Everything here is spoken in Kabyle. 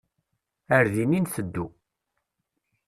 Ar dinna i nteddu.